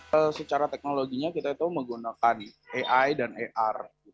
karena teknologinya kita itu menggunakan ai dan ar